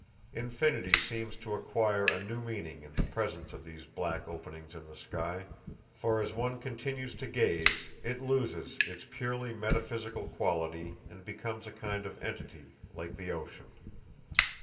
Infinity seems to acquire a new meaning in the presence of these black openings in the sky, for as one continues to gaze it loses its purely metaphysical quality and becomes a kind of entity, like the ocean.